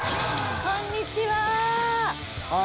こんにちは。